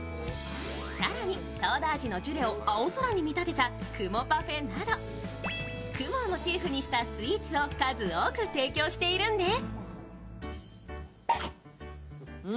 更に、ソーダ味のジュレを青空に見立てた雲パフェなど雲をモチーフにしたスイーツを数多く提供しているんです。